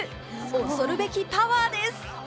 恐るべきパワーです。